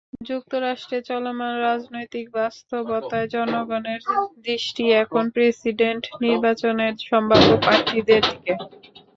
যুক্তরাষ্ট্রে চলমান রাজনৈতিক বাস্তবতায় জনগণের দৃষ্টি এখন প্রেসিডেন্ট নির্বাচনের সম্ভাব্য প্রার্থীদের দিকে।